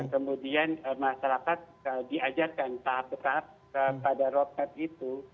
kemudian masyarakat diajarkan tahap tahap pada roadmap itu